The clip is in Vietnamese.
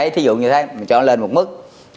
thí dụ như thế mình cho lên một mức